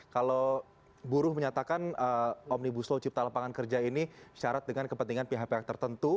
kalau buruh menyatakan omnibus law cipta lapangan kerja ini syarat dengan kepentingan pihak pihak tertentu